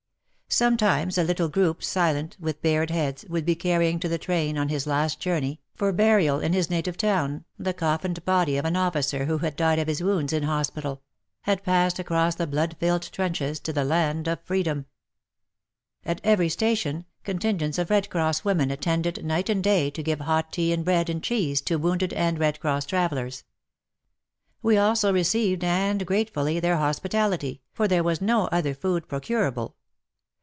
Sometimes a little group, silent, with bared heads, would be carrying to WAR AND WOMEN 41 the train, on his last journey, for burial in his native town, the coffined body of an officer who had died of his wounds in hospital, — had passed across the blood filled trenches to the land of freedom. At every station, contingents of Red Cross women attended night and day to give hot tea and bread and cheese to wounded and Red Cross travellers. We also received, and grate fully, their hospitality, for there was no other food procurable.